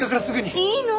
いいの？